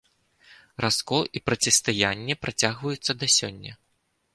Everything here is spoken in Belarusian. Раскол і процістаянне працягваюцца да сёння.